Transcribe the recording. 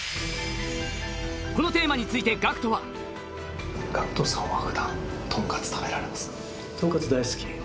このテーマについてＧＡＣＫＴはＧＡＣＫＴさんはふだんとんかつ食べられますか？